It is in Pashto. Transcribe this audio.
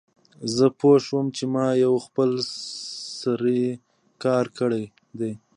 زه پوه شوم چې ما یو خپل سری کار کړی دی